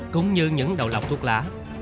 cũng như những đầu lọc thuốc lá